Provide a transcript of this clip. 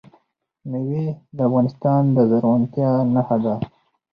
مېوې د افغانستان د زرغونتیا نښه ده.